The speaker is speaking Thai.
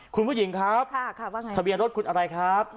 คุณผู้หญิงครับทะเบียนรถคุณอะไรครับ